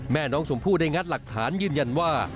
แม่น้องชมพู่ได้งัดหลักฐานยืนยันว่า